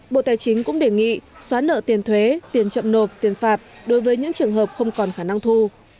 bộ tài chính cũng đề nghị xóa nợ tiền thuế tiền chậm nộp tiền phạt đối với những trường hợp không còn khả năng thu